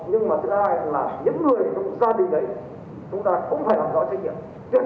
nhưng mà thứ hai là những người trong gia đình đấy chúng ta cũng phải làm rõ trách nhiệm